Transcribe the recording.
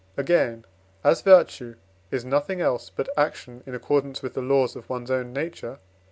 Again, as virtue is nothing else but action in accordance with the laws of one's own nature (IV.